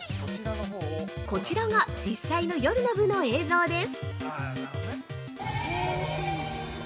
こちらが実際の夜の部の映像です！